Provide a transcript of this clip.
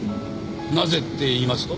なぜっていいますと？